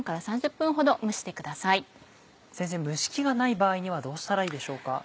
先生蒸し器がない場合にはどうしたらいいでしょうか？